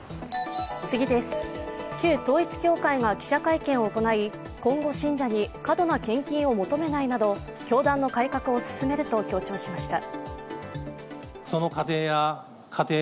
旧統一教会が記者会見を行い今後、信者に過度な献金を求めないなど教団の改革を進めると強調しました。